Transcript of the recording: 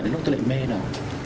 đến lúc tôi lại mê nè